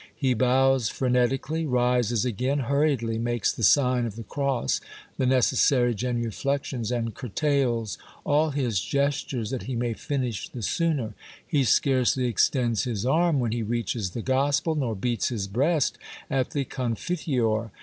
He bows frenetically, rises again, hurriedly makes the sign of the cross, the necessary genuflections, and curtails all his gestures that he may finish the sooner. He scarcely extends his arm when he reaches the Gospel, nor beats his breast at the Confiteor.